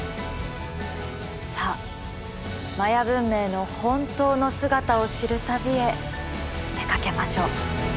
さあマヤ文明の本当の姿を知る旅へ出かけましょう。